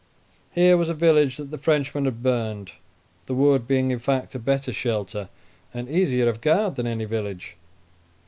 Here was a village that the Frenchmen had burned, the wood being, in fact, a better shelter and easier of guard than any village.